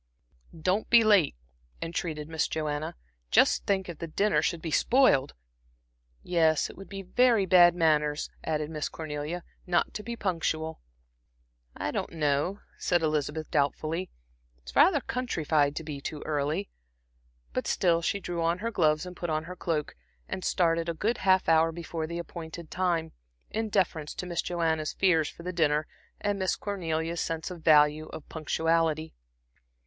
"Don't be late," entreated Miss Joanna. "Just think if the dinner should be spoiled!" "Yes, it would be very bad manners," added Miss Cornelia "not to be punctual." "I don't know," said Elizabeth, doubtfully. "It's rather countrified to be too early." But still she drew on her gloves and put on her cloak, and started a good half hour before the appointed time, in deference to Miss Joanna's fears for the dinner and Miss Cornelia's sense of the value of punctuality.